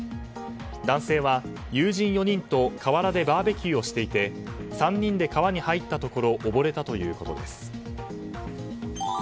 男性は、友人４人と河原でバーベキューをしていて３人で川に入ったところ溺れたということです。